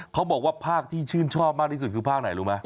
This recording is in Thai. เขาบอกว่าภาคที่ชื่นชอบมากที่สุดคือภาคไหนรู้ไหม